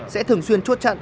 sẽ thường xuyên chuốt trận